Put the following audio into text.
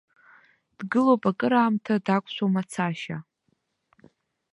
Дгылоуп акраамҭа, дақәшәом ацашьа.